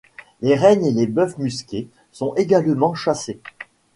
Les rennes et les bœufs musqués sont également chassés.